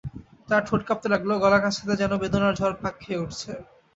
তার ঠোঁট কাঁপতে লাগল, গলার কাছটাতে যেন বেদনার ঝড় পাক খেয়ে উঠছে।